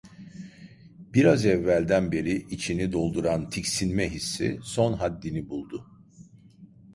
Biraz evvelden beri içini dolduran tiksinme hissi son haddini buldu.